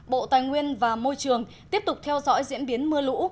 bộ tài nguyên và môi trường tiếp tục theo dõi diễn biến mưa lũ